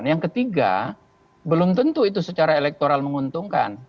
yang ketiga belum tentu itu secara elektoral menguntungkan